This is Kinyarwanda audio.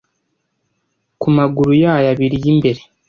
ku maguru yayo abiri y'imbere